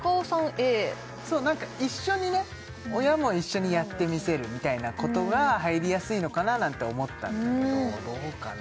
Ａそう何か一緒にね親も一緒にやってみせるみたいなことが入りやすいのかななんて思ったんだけどどうかな？